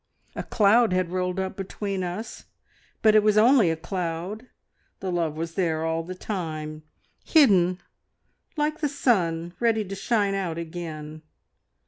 A cloud had rolled up between us, but it was only a cloud, the love was there all the time, hidden, like the sun, ready to shine out again.